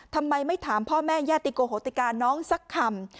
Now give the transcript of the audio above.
ทำไมไม่ถามพ่อแม่ญาติโกโหติกาน้องสักคำ